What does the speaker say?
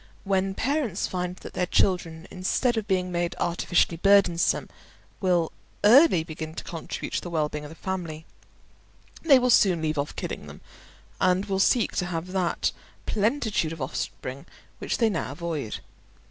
When parents find that their children, instead of being made artificially burdensome, will early begin to contribute to the well being of the family, they will soon leave off killing them, and will seek to have that plenitude of offspring which they now avoid.